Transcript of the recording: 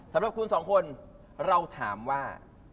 สำหรับคุณสองคนเราถามว่า